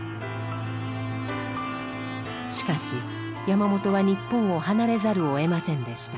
しかし山本は日本を離れざるをえませんでした。